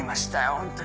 ホントに。